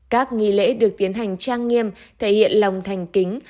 các nghi lễ được tiến hành trang nghiêm thể hiện lòng thành kính